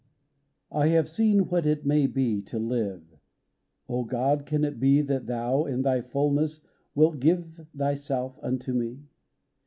I HAVE seen what it may be to live : O God, can it be That Thou, in Thy fullness, wilt give Thyself unto me